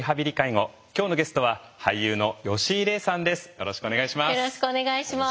よろしくお願いします。